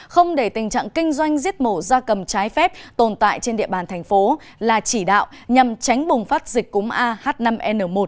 không để tình trạng kinh doanh giết mổ da cầm trái phép tồn tại trên địa bàn thành phố là chỉ đạo nhằm tránh bùng phát dịch cúng a h năm n một